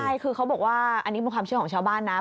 ใช่คือเขาบอกว่าอันนี้เป็นความเชื่อของชาวบ้านนะ